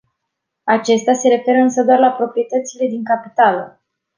Acesta se referă însă doar la proprietățile din capitală.